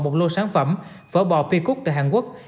một lô sản phẩm phở bò p cook từ hàn quốc